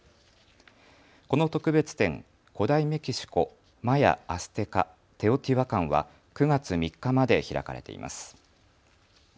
この特別展、古代メキシコ−マヤ、アステカ、テオティワカンは９月３日まで開かれています。